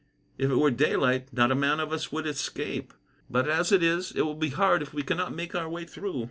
If it were daylight, not a man of us would escape; but as it is, it will be hard if we cannot make our way through.